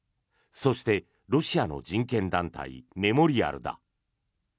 そして、ロシアの人権団体メモリアルだ。